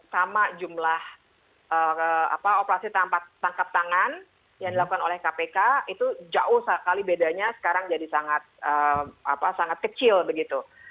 sama jumlah operasi tangkap tangan yang dilakukan oleh kpk itu jauh sekali bedanya sekarang jadi sangat kecil begitu